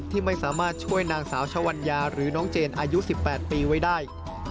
ที่ไม่สามารถช่วยนางสาวชวัญญาหรือน้องเจนอายุ๑๘ปีไว้ได้